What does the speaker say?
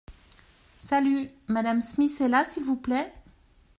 Salut ! Madame Smith est là, s’il vous plait ?